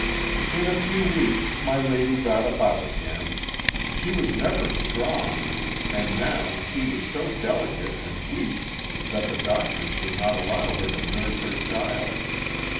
"In a few weeks my lady got about again; she was never strong, and now she was so delicate and weak that the doctors would not allow her to nurse her child.